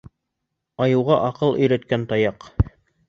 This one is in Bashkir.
Айыуға аҡыл өйрәткән таяҡ.